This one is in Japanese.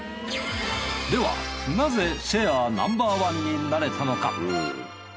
ではなぜシェアナンバー１になれたのか？